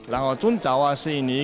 lalu zonjawa adalah